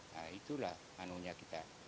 nah itulah anunya kita